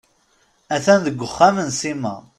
A-t-an deg uxxam n Sima.